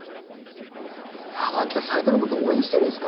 あなた斉藤のこと応援してるんですか？